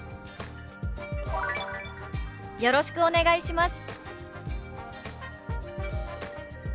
「よろしくお願いします」。